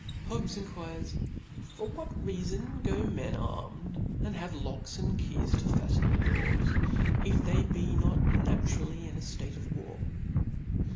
Hobbes enquires, For what reafon men go arm ed^ and have locks and keys to fafien their dgorSy if they be not naturally in a Jiate of war